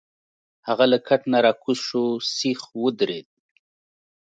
هغه له کټ نه راکوز شو، سیخ ودرید.